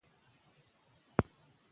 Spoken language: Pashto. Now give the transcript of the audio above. مه پرېږده، چي ژوند مو د نورو په لاس وچلېږي.